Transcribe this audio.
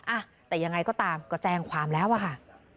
อ่ะแต่ยังไงก็ตามก็แจ้งความแล้วอะค่ะ